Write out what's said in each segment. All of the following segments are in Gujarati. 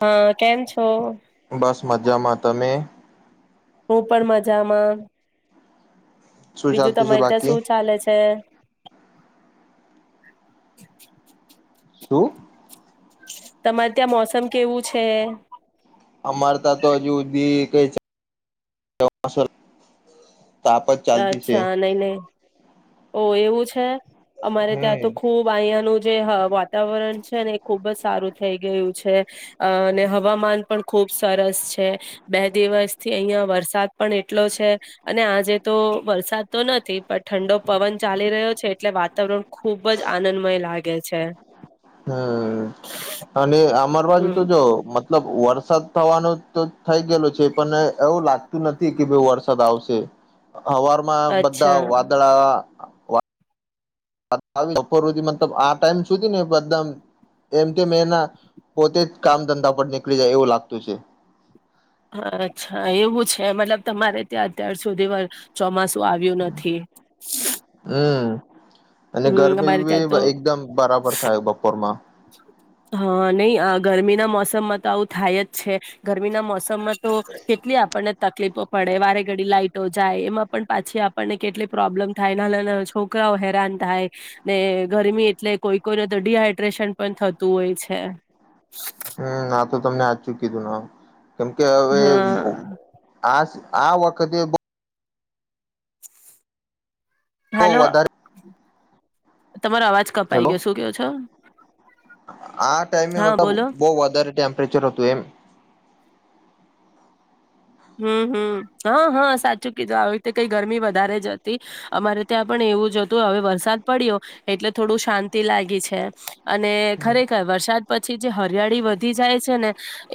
હા કેમ છો? બસ મજામાં. તમે? હું પણ મજામાં. શું બીજું ચાલતું છે તમારી ત્યાં બાકી શું ચાલે છે? શું? તમારે ત્યાં મોસમ કેવું છે? અમાર ત્યાં તો હજુ સુધી કંઈ વરસાદ? તાપ જ ચાલતી છે. અચ્છા નહી નહી, ઓ એવું છે! અમારે ત્યાં તો હમ ખુબ અયાનું જ. જે હ વાતાવરણ છે ને એ ખુબ જ સારું થઈ ગયું છે. અ અને હવામાન પણ ખુબ સરસ છે બે દિવસ થી અહિયાં વરસાદ પણ એટલો છે અને આજે તો વરસાદ તો નથી પણ ઠંડો પવન ચાલી રહ્યો છે એટલે વાતાવરણ ખુબ જ આનંદમય લાગે છે. હમ્મ અને અમાર બાજુ તો હમ જો મ મતલબ વરસાદ થવાનો તો થઈ ગયેલો છે પણ એવું લાગતું નથી કે ભઈ વરસાદ સાદ આવશે હવારમાં બધા અચ્છા વાદળા [unintelligible] બપોરથી હુધી મતલબ આ ટાઈમ સુધી ને [unintelligible] એમ તે મેંના પોતે જ કામ ધંધા પર નીકળી જાય એવું લાગતું છે. હ અચ્છા એવું છે મતલબ તમારે ત્યાં અત્યાર સુધીમાં ચોમાસું આવ્યું નથી‌. હમ્મ અને અમારે ત્યાં ગરમી તો બી એકદમ બરાબર થાય બપોરમાં હા નહી ગરમીના મોસમમાં તો આવું થાય જ છે ગરમીના મોસમમાં તો કેટલી આપણને તકલીફો પડે વારે ઘડી લાઈટ જાય એમાં પણ પાછી આપણને કેટલી પ્રોબ્લેમ થાય નાના નાના છોકરાઓ હેરાન થાય. ને ગરમી એટલે કોઈ કોઈને તો ડીહાઈડ્રેશન પણ થતું હોય છે. હમ્મ ના તો તમને આ ચું કીધું ના કેમકે હવે હા આ સ આ વખતે બ બહુ હાલો વધારે તમારો અવાજ કપાઈ હેલો ગયો શું કેયો છો? આ ટાઈમે હા મતલબ બોલો બહું વધારે ટેમ્પરેચર હતું એમ હમ્મ હમ્મ હા હા સાચું કીધું આવી રીતે કઈ ગરમી વધારે જ હતી. અમારે ત્યાં પણ એવું જ હતું હવે વરસાદ પડ્યો એટલે થોડું શાંતિ લાગી છે અને ખરેખર વરસાદ પછી જે હરિયાળી વ વધી જાય છે ને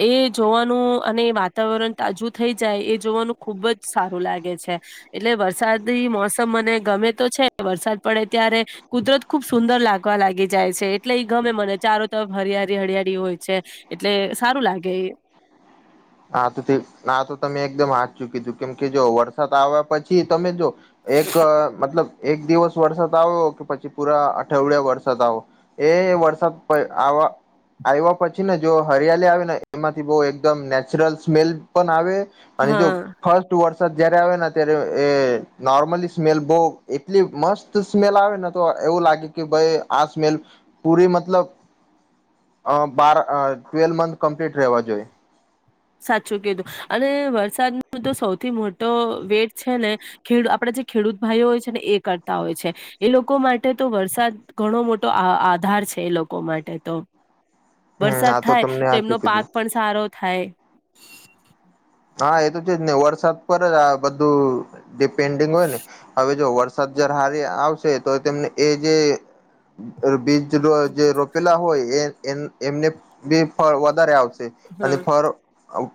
એ જોવાનું અને વાતાવરણ તાજું થઈ જાય એ જોવાનું ખુબ જ સારું લાગે છે. એટલે વરસાદી મોસમ મને ગમે તો છે વરસાદ પડે ત્યારે કુદરત ખુબ સુંદર લાગવા લાગી જાય છે એટલે એ ગમે મને ચારો તરફ હરિયાળી હરિયાળી હોય છે. એટલે સારું લાગે એ હા તો તે આ તો તમે એકદમ હાચુ કીધું કેમ જો વરસાદ આવે પછી તમે જો એક મતલબ એક દિવસ વરસાદ આવ્યો કે પછી પૂરા અઠવાડિયા વરસાદ આવો એ વરસાદ પ આવા આવ્યા પછી ને જો હરિયાળી આવે ને એમાંથી બહુ એકદમ નેચ ચરલ સ્મેલ પણ આવે અને જો હા ફર્સ્ટ વરસાદ જ્યારે આવે ને ત્યારે એ નોર્મલી સ્મેલ બહુ એટલી મસ્ત સ્મેલ આવે ને તો એવું લાગે કે ભાઈ આ સ્મેલ પૂરી મતલબ અ બાર ટ્વેલ મંથ કમ્પ્લીટ રહેવા જોઈએ. સાચું કીધું અને વરસાદ ન તો સૌથી મોટો વેટ છે ને ખેડ આપણે જે ખેડૂત ભાઈઓ હોય છે ને એ કરતા હોય છે. એ લોકો માટે તો વરસાદ ઘણો મોટો આ આ આધાર છે, એ લોકો માટે તો હમ વરસાદ હા થાય તમને તો આ એમનો શું પાક કીધું પણ સારો થાય. હા એ તો છે જ નને વરસાદ પર આ બધું ડિપેન્ડિંગ હોય ને હવે જો વરસા [unintelligible] હારી આવશે તો તેમને એ જે બીજ જે રોપેલા હોય એ એમને બી ફળ વધારે આવશે હા. અને ફળ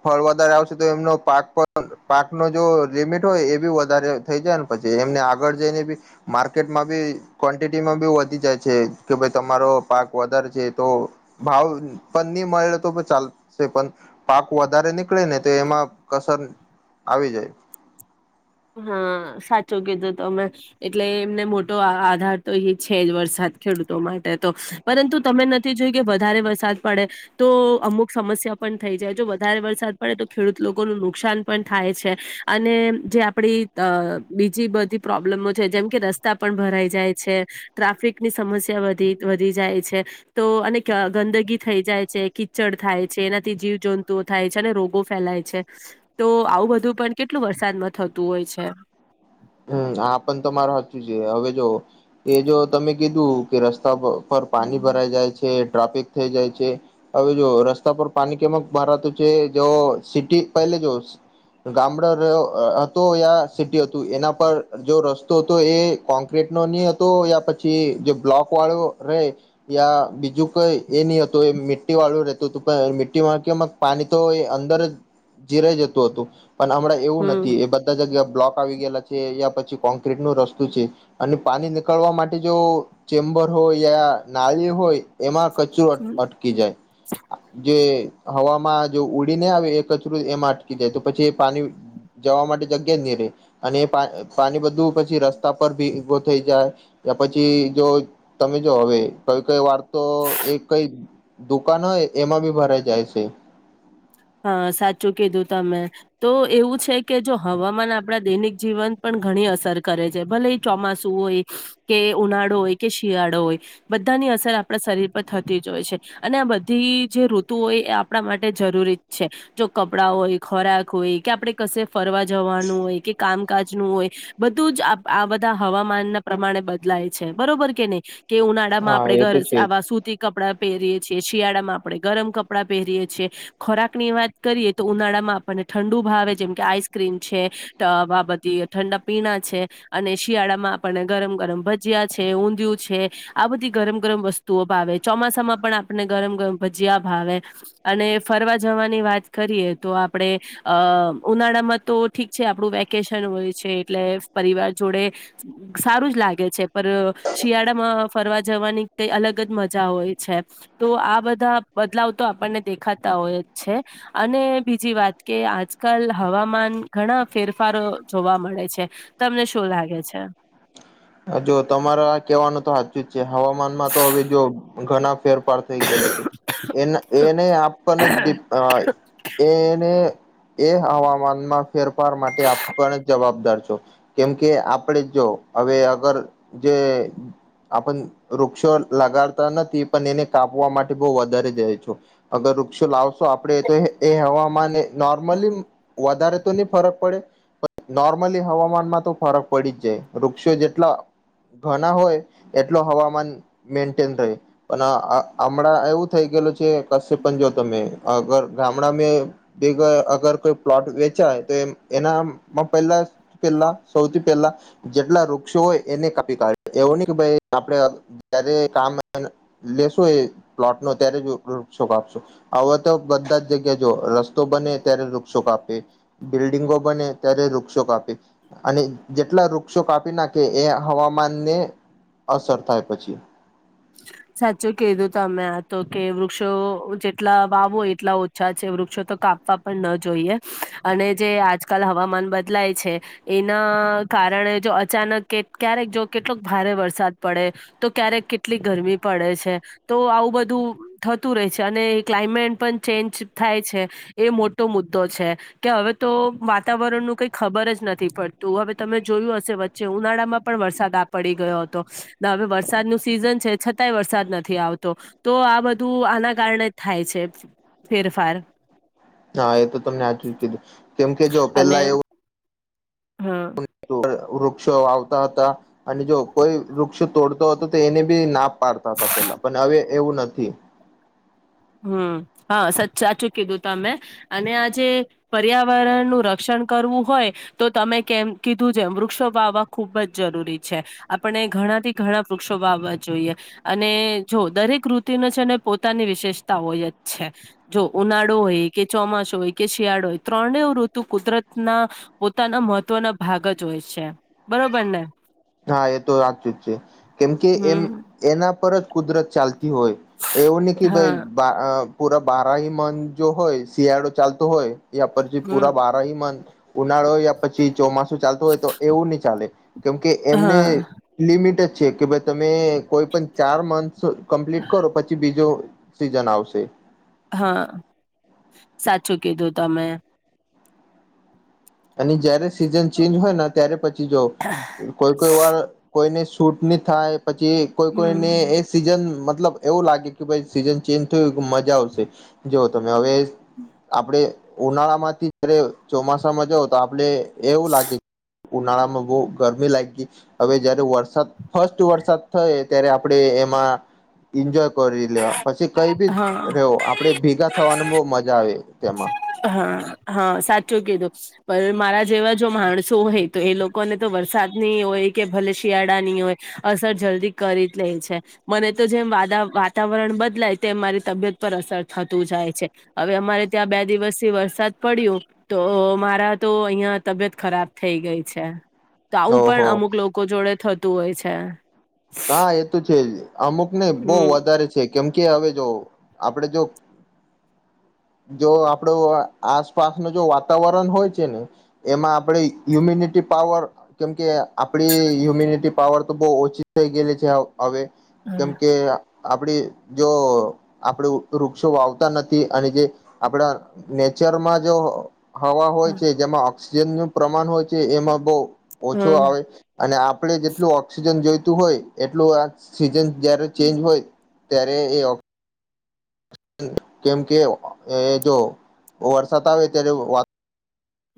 ફળ વધારે આવશે તો એમનો પાક પણ પાકનો જો લીમિટ હોય એ બી વધારે થઈ જાયને પછી એમને આગળ જઈને બી માર્કેટમાં બી કોનન્ટિટીમાં બી વધી જાય છે કે ભાઈ તમારો પાક વધારે છે. તો ભાવ પણ નહી મળેલો તો ચાલશે પણ પાક વધારે નીકળે ને તે એમાં કસર આવી જાય. હા સાચું કીધું તમે. એટલે એમને મોટો આધાર તો એ છે જ વરસાદ ખેડૂતો માટે તો. પરંતુ તમે નથી જોય કે વધારે વરસાદ પડે. તો અમુક સમસ્યા પણ થઈ જાય જો વધારે વરસાદ પડે તો ખેડૂત લોકોનું નુકસાન પણ થાય છે. અને જે આપ આપડી બીજી બધી પ્રોબ્લેમો છે જેમ કે રસ્તા પણ ભરાઈ જાય છે. ટ્રાફિકની સમસ્યા વધી વધી જાય છે. તો અને ગંદગી થઈ જાય છે, કીચડ થાય છે. એનાથી જીવજંતુઓ થાય છે, અને રોગો ફેલાય છે. તો આવું બધું પણ કેટલું વરસાદમાં થતું હોય છે. હમ આ પણ તમાર હાચું છે. હવે જો એ જો તમે કીધું કે રસ્તા પ પર પાણી ભરાઈ જાય છે, ટ્રાફિક થઈ જાય છે. હવે જો રસ્તા પર પાણી કેમક ભરાતું છે, જો સિટી પહેલે જો ગામડ હતો યા સિટી હત તું એના પર જો રસ્તો હતો એ કોંક્રીટનો ની હતો યા પછી જે બ્લોકવાળો રે યા બીજું કઈ એ નહ હતું એ મી્ટીવાળું રહેતું તું પણ મીટીમાં કેમક પાણી તો એ અંદર જ જીરાઈ જતું હતું. પણ હમણાં એવું નથી હમ એ બધા જગ્યા બ્લોક આવી ગયેલા છે, યા પછી કોક્રીટનો રસ્તુ છે. અને પાણી નીકળવા માટે જો ચેમ્બર હોય, યા નાળી હોય. એમાં કચરો અટકી જાય. જે હવામાં જો ઉડીને આવે એ કચ રો એમાં અટકી જાય. તો પછી એ પાણી જવા માટે જગ્યા જ નહી રહે. અને એ પા પાણી બધું પછી રસ્તા પર ભી ઊભો થઈ જાય. યા પછી જો તમે જો હવે કઈ કઈ વારતો એ કઈ દુકાન હોય એમાં બી ભરાઈ જાય છે. હા સાચું કીધું તમે. તો એવું છે કે જો હવામાન આપડા દૈનિક જીવન પણ ઘણી અસર કરે છે. ભલે ઈ ચોમાસું હોય, કે ઉનાળો હોય, કે શિયાળો હોય. બધાની અસર આપણા શરીર પર થતી જ હોય છે. અને આ બધી જે ઋતુઓ એ આપણા માટે જરૂરી છે. જો કપડા હોય, ખોરાક હોય કે, આપડે કશે ફરવા જવાનું હોય કે, કામકાજનું હોય બધું જ આ બધા હવામાનના પ્રમાણે બદલાય છે, બરોબર કે નહીં? કે ઉનાળામાં હા આપડે એ તો ઘર છે જ આવા સુતી કપડાં પહેરીએ છીએ, શિયાળામાં આપણે ગરમ કપડાં પહેરીએ છીએ. ખોરાક ની વાત કરીએ તો ઉનાળામાં આપણને ઠંડુ ભાવે. જેમ કે આઈસ્ક્રીમ છે. તા આવા બધી ઠંડા પીણા છે. અને શિયાળામાં આપણને ગરમ ગરમ ભજીયા છે, ઊંધિયું છે. આ બધી ગરમ ગરમ વસ્તુઓ ભાવે, ચોમાસામાં પણ આપણને ગરમ ગરમ ભજીયા ભાવે. અને ફરવા જવાની વાત કરીએ તો આપડે અ ઉનાળામાં તો ઠીક છે આપણું વેકેશન હોય છે એટલે પરિવાર જોડે સારું જ લાગે છે. પર શિયાળામાં ફરવા જવાની કઈ અલગ જ મજા હોય છે. તો આ બધા બદલાવ તો આપણને દેખાતા હોય જ છે. અને બીજી વાત કે આજકાલ હવામાન ઘણા ફેરફારો જોવા મળે છે. તમને શું લાગે છે? હા જો તમારે આ કેહેવાનું તો હાચું જ છે. હવામાનમાં તો હવે જો ઘણા ફેરફાર થઈ ગયેલા છે. એન એને આપને જ ડીપ અ એને એ હવામાનમાં ફેરફાર માટે આપણ જવાબદાર છો. કેમ કે આપડે જો હવે અગર જે આપણ વૃક્ષો લગાડતા નથી, પણ એને કાપવા માટે બહુ વધારે જાય છો. અગર વૃક્ષો લાવશો આપડે તો એ હવામાન એ નોર્મલી વધારે તો નહી ફરક પડે, પણ નોર્મલી હવામાનમાં તો ફરક પડી જ જાય. વૃક્ષો જેટલા ઘણા હોય એટલો હવામાન મેન્ટન રહે. અને હમણાં એવું થઈ ગયેલું છે કશે પણ જો તમે અગર ગામડા મેં દેખો અગર કોઈ પ્લોટ વેચાય તો એ એનામાં પેલા પેલા સૌથી પહેલા જેટલા વૃક્ષો હોય એને કાપી કાઢે એવો નહી કે ભાઈ આપણે જયારે કામ લેશો એ પ્લોટનો ત્યારે જ વૃક્ષો કાપશો. હવે તો બધા જ જગ્યા જો રસ્તો બને ત્યારે વૃક્ષો કાપે. બિલ્ડિંગો બને ત્યારે વૃક્ષો કાપે, અને જેટલા વૃ વૃક્ષો કાપી નાખે એ હવામાનને અસર થાય પછી. [inaudible] સાચું કીધું તમે. આતો કે વૃક્ષો જેટલા વાવો એટલા ઓછા છે વૃક્ષો તો કાપ વા પણ ન જોઈએ. અને જે આજકાલ હવામાન બદલાય છે. એના કારણે જો અચાનક કે ક્યારેક જો કેટલોક ભારે વરસાદ પડે. તો ક્યારેક કેટલી ગરમી પડે છે. તો આવું બધું થતું રહે છે. અને ક્લાયમેટ પણ ચેન્જ થાય છે. એ મોટો મુદ્દો છે. કે હવે તો વાતાવરણનું કઈ ખબર જ નથી પડતું. હવે તમે જોયું હશે વચ ચે ઉનાળામાં પણ વરસાદ આ પડી ગયો હતો. ને હવે વરસાદનું સિઝન છે છતાંય વરસાદ નથી આવતો. તો આ બધું આના કારણે જ થાય છે. ફેરફાર હા એતો તમને હાચુ જ કીધું. કેમ કે જો અને પેલા એવું હહ વૃક્ષો વાવતા હતા. અને જો કોઈ વૃક્ષ તોડતો હતો તો એને બી ના પાડતા હતા પેલા પણ હવે એવું નથી. હમ હા સાચ સાચું કીધું તમે. અને આજે પર્યાવરણનું રક્ષણ કરવું હોય. તો તમે કેમ કીધું જેમ વૃક્ષો વાવવા ખુબ જ જરૂરી છે. આપણે ઘણાથી ઘણા વૃક્ષો વાવવા જોઈએ. અને જો દરેક રૂતિને છેને પોતાની વિશેષતા હોય જ છે. જો ઉનાળો હોય કે, ચોમાસું હોય કે, શિયાળો હોય ત્રણેવ ઋતુ કુદરતના પોતાના મહત્વના ભાગ જ હોય છે. બરોબર ને? હા એ તો હાચું જ છે. કેમ કે એમ હમ એના પર જ કુદરત ચાલતી હોય. એવું નઈ કે હા ભાઈ પૂરા બારાહી મન જો હોય શિયાળો ચાલતો હોય. યા પછી હમ પુરા બારાહી મન ઉનાળો હોય યા પછી ચોમાસું ચાલતું હોય તો એવું ની ચાલે. કે એમને હા લિમિટ જ છે કે ભાઈ તમે કોઈ પણ ચાર મંથ સો કમ્પ્લીટ કરો પછી બીજો સીઝન આવશે. હા સાચું કીધું તમે. અને જયારે સીઝન ચેન્જ હોય ન ત્યારે પછી જો, હા. કોઈ કોઈ વાર કોઈને શૂટ નહી થાય પછી કોઈ કોઈને એ. હમ સીઝન મતલબ એવું લાગે કે ભાઈ સીઝન ચેન્જ થયું કે મજા આવશે જોવ તમે હવે. આપડે ઉનાળા માંથી જયારે ચોમાસામાં જવ તો આપણે એવું લાગે ઉનાળામાં બહ ગરમી લઈગી હવે જયારે વરસાદ ફસ્ટ વરસાદ થયો ત્યારે આપણે એમાં. એન્જોય કરી લેવા પછી કઈ બી હા રહવો આપડે ભેગા થવાનું બહ મજા આવે તેમાં. હા હા સાચું કીધું. પણ મારા જેવા જો માણસો હોય તો એ લોકોને તો વરસાદની હોય કે ભલે શિયાળાની હોય. અસર જલ્દી કરી જ લે છે. મને તો જેમ વાદા વાતાવરણ બદલાય તેમ મારી તબિયત પર અસર થતું જાય છે. હવે અમારે ત્યાં બે દિવસથી વરસાદ પડ્યો તો મારા તો અહિયાં તબિયત ખરાબ થઈ ગઈ છે. તો આવું પણ ઓહો અમુક લોકો જોડે થતું હોય છે. હા એ તો છે જ અમુક ને બહુ હમ વધારે છે કેમ કે હવે જો આપડે જો. જો આપડું આસપાસ ન જો વાતાવરણ હોય છે ને એમાં આપણે હ્યુમિનિટી પાવર કેમકે આપડી હ્યુમિનિટી પાવર તો બહ ઓછી થઈ ગયેલી છે હવે કેમ કે આપડી જો આપડુ વૃક્ષો વાવતા નથી અને જે આપણા નેચર માં જો, હવા હોય છે જેમાં ઓક્સિજનનુ પ્રમાણ હોય છે એમાં બહુ ઓછો હમ આવે. અને આપડણે જેટલું ઓક્સિજન જોઈતું હોય એટલું આ સીઝન જયારે ચેન્જ હોય. ત્યારે એ ઓ કેમ કે એ જો વરસાદ આવે ત્યારે વાત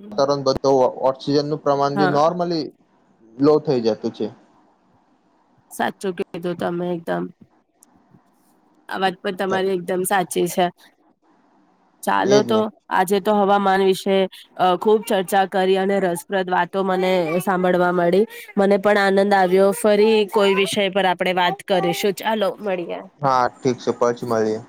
વાતારણ બધું ઓક્સિજન નું પ્રમાણ હા બી નોર્મલી લો થઈ જતું છે. સાચું કીધું તમે એકદમ, આ વાત પણ તમારી એકદમ સાચી છે. ચાલો એજ તો ને આજે તો હવામાન વિશે અહ ખુબ ચર્ચા કરી અને રસપ્રદ વાતો મને સાંભળવા મળી મને પણ આનંદ આવ્યો ફરી કોઈ વિષય પર આપડણે વાત કરીશું ચાલો મળીએ. હા ઠીક છે પછી મળીએ,